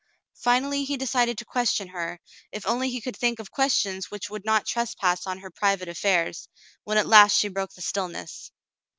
Finally he decided to question her, if only he could think of questions which would not trespass on her private affairs, when at last she broke the stillness.